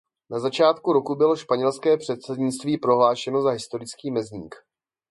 Na začátku roku bylo španělské předsednictví prohlášeno za historický mezník.